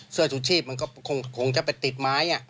เสื้อชุดชีพมันก็คงจะไปติดไม้